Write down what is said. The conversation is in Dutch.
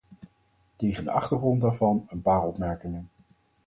Tegen de achtergrond daarvan een paar opmerkingen.